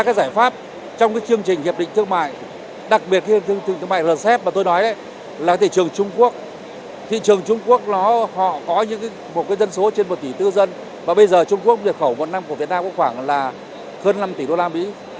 cái giải pháp trong cái chương trình hiệp định thương mại đặc biệt khi thương mại lần xét mà tôi nói là thị trường trung quốc thị trường trung quốc nó có những cái một cái dân số trên một tỷ tư dân và bây giờ trung quốc việt khẩu một năm của việt nam có khoảng là hơn năm tỷ đô la mỹ